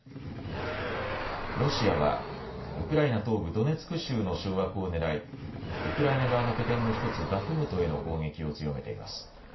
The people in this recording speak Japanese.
ロシアはウクライナ東部ドネツク州の掌握をねらいウクライナ側の拠点の１つ、バフムトへの攻撃を強めています。